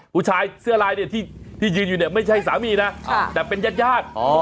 ผู้ชายเสื้อลายเนี่ยที่ยืนอยู่เนี่ยไม่ใช่สามีนะแต่เป็นญาติญาติ